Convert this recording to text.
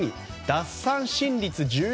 奪三振率